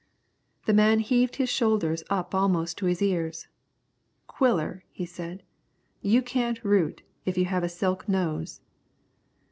The man heaved his shoulders up almost to his ears. "Quiller," he said, "you can't root, if you have a silk nose."